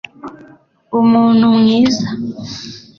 umuntu mwiza